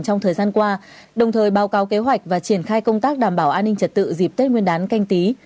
trong thời gian qua đồng thời báo cáo kế hoạch và triển khai công tác đảm bảo an ninh trật tự dịp tết nguyên đán canh tí